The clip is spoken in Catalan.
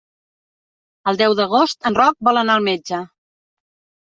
El deu d'agost en Roc vol anar al metge.